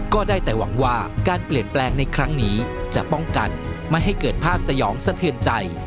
ก็ได้แต่หวังว่าการเปลี่ยนแปลงในครั้งนี้จะป้องกันไม่ให้เกิดภาพสยองสะเทือนใจ